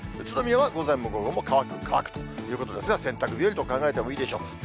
宇都宮は午前も午後も乾く、乾くということですが、洗濯日和と考えてもいいでしょう。